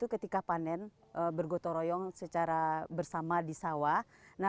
ketika panen bergotoroyong secara bersama di sawah